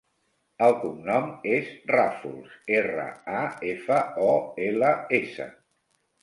El cognom és Rafols: erra, a, efa, o, ela, essa.